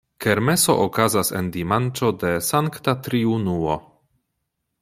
Kermeso okazas en dimanĉo de Sankta Triunuo.